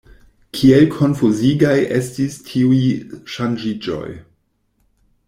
Kiel konfuzigaj estis tiuj ŝanĝiĝoj.